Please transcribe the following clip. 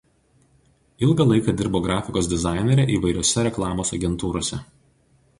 Ilgą laiką dirbo grafikos dizainere įvairiose reklamos agentūrose.